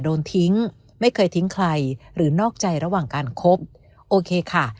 โดนทิ้งไม่เคยทิ้งใครหรือนอกใจระหว่างการคบโอเคค่ะ